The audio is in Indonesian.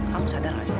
kamu sadar gak sih